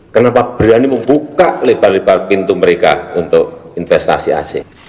kenapa berani membuka lebar lebar pintu mereka untuk investasi asing